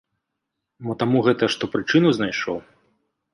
Мо таму гэта, што прычыну знайшоў.